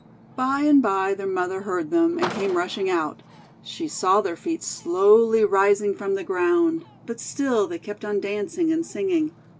By and by their mother heard them, and came rushing out. She saw their feet slowly rising from the ground; but still they kept on dancing and singing.